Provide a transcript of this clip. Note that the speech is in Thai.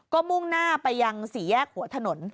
ก็มุ่งหน้าไปยังสี่แยกหัวถนน